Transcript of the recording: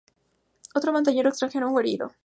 Otro montañero extranjero fue herido.